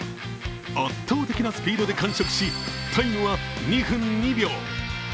圧倒的なスピードで完食し、タイムは２分２秒。